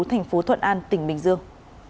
thành phố thuận an tỉnh bình dương